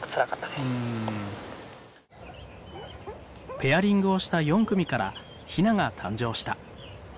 ペアリングをした４組からひなが誕生した。